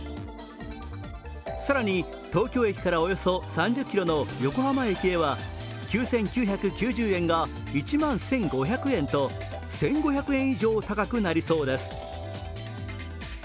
更に東京駅からおよそ３０ｋｍの横浜駅へは９９９０円が１万１５００円と１５００円以上高くなりそうです。